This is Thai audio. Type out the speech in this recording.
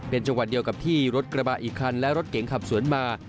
เป็นจังหวัดเดียวกับที่รถกระบะอีกคันและรถเก๋งขับสวนมา